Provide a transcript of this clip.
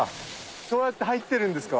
そうやって入ってるんですか？